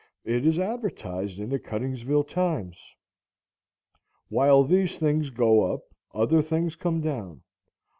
It is advertised in the Cuttingsville Times. While these things go up other things come down.